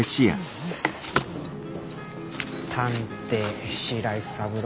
探偵白井三郎。